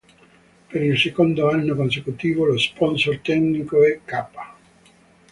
Per il secondo anno consecutivo, lo sponsor tecnico è Kappa.